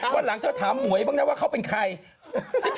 ยังหลังจะถามบ้างว่าเขาเป็นใคร